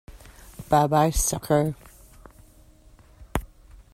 Bye-bye, sucker!